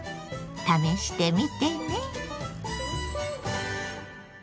試してみてね。